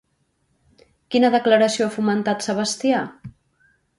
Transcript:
Quina declaració ha fomentat Sebastià?